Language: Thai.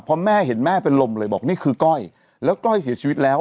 พอแม่เห็นแม่เป็นลมเลยบอกนี่คือก้อยแล้วก้อยเสียชีวิตแล้ว